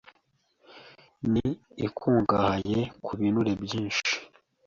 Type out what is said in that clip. ni ikungahaye ku binure byinshi